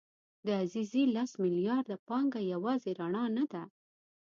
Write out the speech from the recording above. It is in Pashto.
د عزیزي لس میلیارده پانګه یوازې رڼا نه ده.